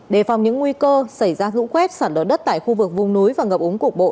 đề phòng những nguy cơ xảy ra rũ khuét sản đột đất tại khu vực vùng núi và ngập ống cục bộ